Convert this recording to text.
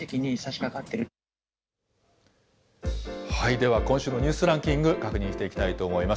では、今週のニュースランキング、確認していきたいと思います。